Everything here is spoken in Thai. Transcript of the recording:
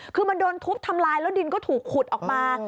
คือมันโดนทุบทำลายแล้วดินก็ถูกขุดออกมา